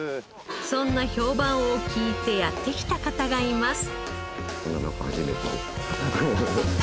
そんな評判を聞いてやって来た方がいます。